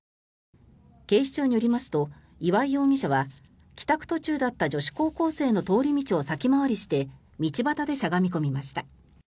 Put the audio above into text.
警視庁によりますと岩井容疑者は帰宅途中だった女子高校生の通り道を先回りして道端でしゃがみ込みました。